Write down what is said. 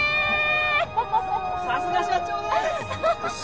さすが社長です！